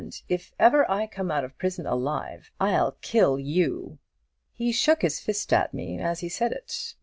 If ever I come out of prison alive, I'll kill you!'" "He shook his fist at me as he said it.